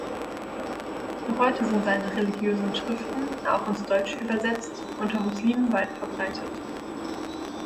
Noch heute sind seine religiösen Schriften, auch ins Deutsche übersetzt, unter Muslimen weit verbreitet.